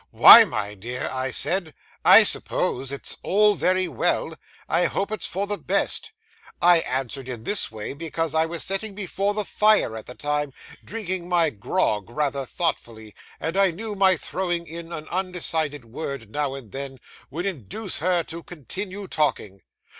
"Why, my dear," I said, "I suppose it's all very well; I hope it's for the best." I answered in this way because I was sitting before the fire at the time, drinking my grog rather thoughtfully, and I knew my throwing in an undecided word now and then, would induce her to continue talking.